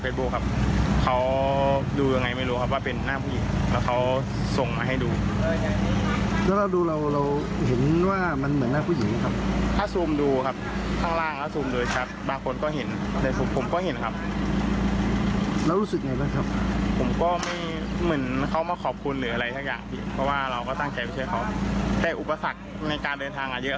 เพราะเราก็ตั้งแข่วิชาวเขาใส่อุปสรรคในการเดินทางอย่างเยอะ